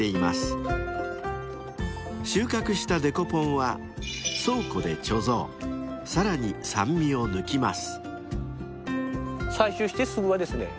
［収穫したデコポンは倉庫で貯蔵さらに酸味を抜きます］